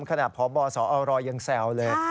ขนาดพอบสเอารอยังแสวเลย